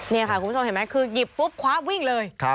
นี่ค่ะคุณผู้ชมเห็นไหมคือหยิบปุ๊บคว้าวิ่งเลย